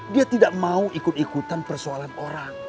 dia tidak mau ikut ikutan persoalan orang